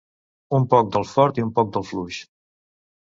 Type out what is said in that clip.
Un poc del fort i un poc del fluix.